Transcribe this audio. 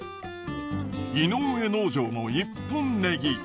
井上農場の一本ネギ。